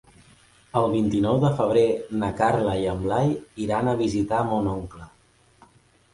El vint-i-nou de febrer na Carla i en Blai iran a visitar mon oncle.